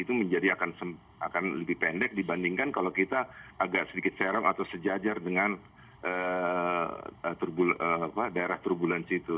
kita bisa melihat turbulence area itu menjadi akan lebih pendek dibandingkan kalau kita agak sedikit seram atau sejajar dengan daerah turbulence itu